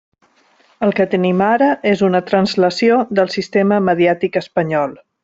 El que tenim ara és una translació del sistema mediàtic espanyol.